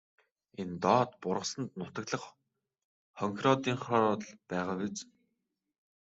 Энэ доод бургасанд нутаглах хонхироодынхоор л байгаа биз.